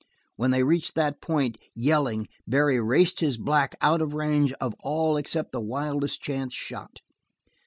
When they reached that point, yelling, Barry raced his black out of range of all except the wildest chance shot.